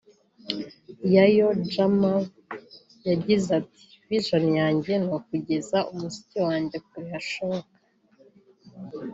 Yoya Jamal yagize ati “ Vision yanjye ni ukugeza umuziki wanjye kure hashoboka